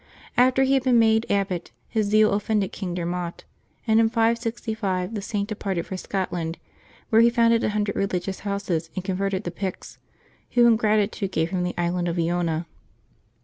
After he had been made abbot, his zeal offended King Dermot; and in 5G5 the Saint departed for Scotland, where he founded a hundred religious houses and converted the Picts, who in gratitude gave him the island of lona.